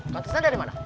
kau terserah dari mana